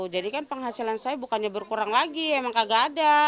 jadi kan penghasilan saya bukannya berkurang lagi emang kagak ada